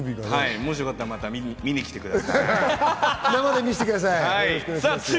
もしよかったら、また見に来てください。